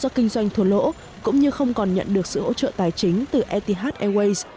do kinh doanh thua lỗ cũng như không còn nhận được sự hỗ trợ tài chính từ eth airways